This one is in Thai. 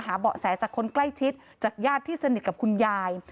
เบาะแสจากคนใกล้ชิดจากญาติที่สนิทกับคุณยาย